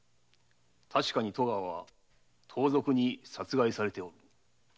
確かに戸川は盗賊に殺害されておる。